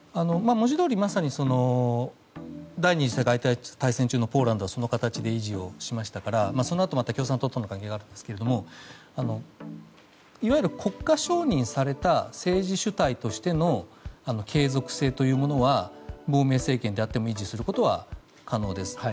文字どおり、まさに第２次世界大戦中のポーランドはその形で維持をしましたからそのあと共産党との関係があるんですがいわゆる国家承認された政治主体としての継続性というものは亡命政権であっても維持することは可能です。